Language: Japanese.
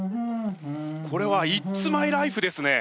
これは「イッツ・マイ・ライフ」ですね！